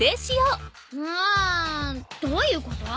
うんどういうこと？